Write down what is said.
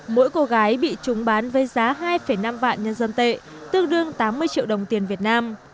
mỗi cô gái bị chúng bán với giá hai năm vạn nhân dân tệ tương đương tám mươi triệu đồng tiền việt nam